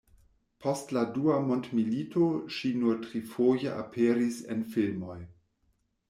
Post la dua mondmilito ŝi nur trifoje aperis en filmoj.